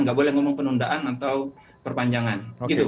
nggak boleh ngomong penundaan atau perpanjangan